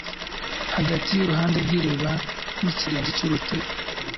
hagati yuruhande rwiriba nikirenge cyurutare